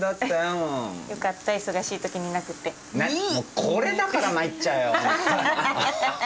もうこれだから参っちゃうよ。